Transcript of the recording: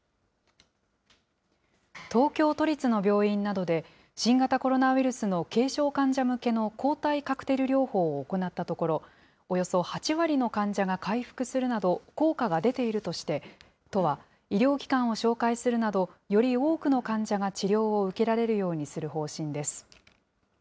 東京都立の病院などで、新型コロナウイルスの軽症患者向けの抗体カクテル療法を行ったところ、およそ８割の患者が回復するなど、効果が出ているとして、都は医療機関を紹介するなど、より多くの患者が治療を受けられるようにする方針です。